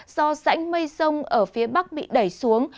do rãnh mây rông ở phía bắc bị đẩy xuống